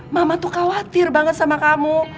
mama tuh khawatir banget sama kamu